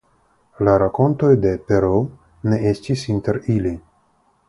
La rakontoj de Perault ne estis inter ili.